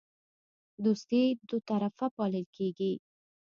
دوستي دوطرفه پالل کیږي